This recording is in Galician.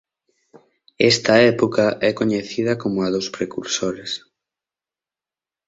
Esta época é coñecida como a dos Precursores.